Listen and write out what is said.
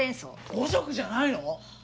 五色じゃないの？